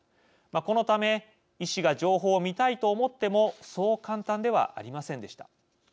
このため、医師が情報を見たいと思ってもそう簡単ではありませんでした。